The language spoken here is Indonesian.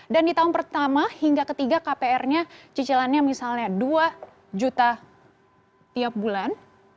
di tahun pertama hingga ketiga kpr nya cicilannya misalnya dua juta tiap bulan